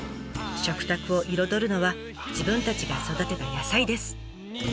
食卓を彩るのは自分たちが育てた野菜です。